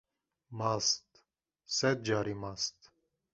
Mast sed carî mast.